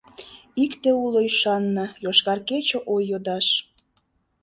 Икте уло ӱшанна «Йошкар кече» ой йодаш!